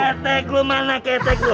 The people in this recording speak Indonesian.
ketek lu mana ketek lu